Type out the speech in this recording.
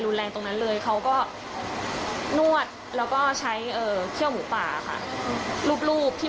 รุนแรงตรงนั้นเลยเขาก็นวดแล้วก็ใช้เคี่ยวหมูป่ารูปที่